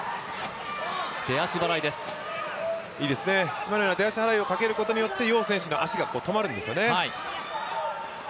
今のような出足払いをかけることによって楊選手の足が止まるんですよね。